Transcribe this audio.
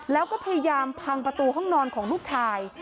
แล้วก็พยายามพังประตูห้องนอนของลูกชาย